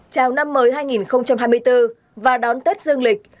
chào năm mới hai nghìn hai mươi bốn và đón tết dương lịch